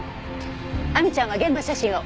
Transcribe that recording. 亜美ちゃんは現場写真を。